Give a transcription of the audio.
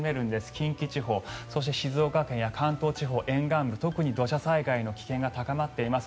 近畿地方そして、静岡県や関東地方沿岸部特に土砂災害の危険が高まっています。